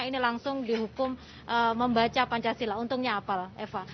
ini langsung dihukum membaca pancasila untungnya apa eva